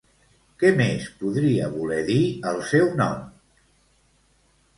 Què més podria voler dir el seu nom?